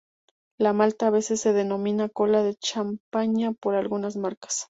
La malta a veces se denomina "cola de champaña" por algunas marcas.